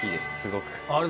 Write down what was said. すごく。